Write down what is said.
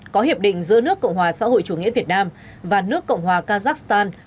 có hiệp định giữa nước cộng hòa xã hội chủ nghĩa việt nam và nước cộng hòa kazakhstan